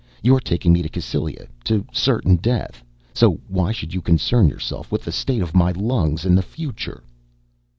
You're taking me to Cassylia to certain death. So why should you concern yourself with the state of my lungs in the future?"